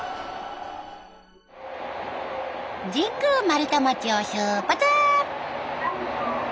神宮丸太町を出発！